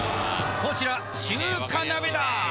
こちら中華鍋だ！